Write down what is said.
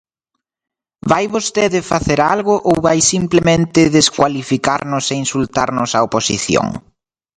¿Vai vostede facer algo ou vai simplemente descualificarnos e insultarnos á oposición?